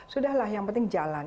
sudahlah yang penting jalan